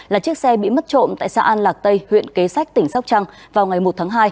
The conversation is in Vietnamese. là chiếc xe bị mất trộm tại xã an lạc tây huyện kế sách tỉnh sóc trăng vào ngày một tháng hai